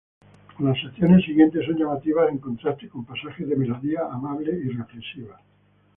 Las secciones siguientes son llamativas, en contraste con pasajes de melodías amables y reflexivas.